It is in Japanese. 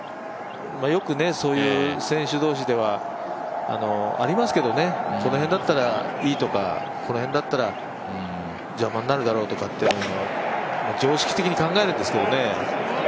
よくそういう選手同士ではありますけどね、この辺だったらいいとかこの辺だったら邪魔になるだろうというのは常識的に考えるんですけどね。